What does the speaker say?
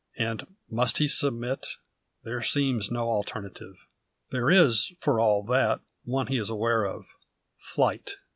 And must he submit? There seems no alternative. There is for all that; one he is aware of flight.